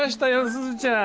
すずちゃん。